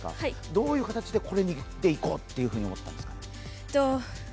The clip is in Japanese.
どういう形でこれでいこうと思ったんですか？